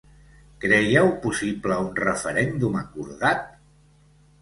Creieu possible un referèndum acordat?